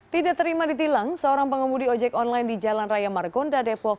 tidak terima ditilang seorang pengemudi ojek online di jalan raya margonda depok